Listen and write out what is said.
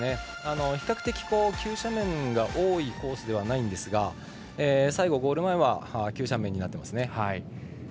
比較的、急斜面が多いコースではないですが最後、ゴール前は急斜面になっています。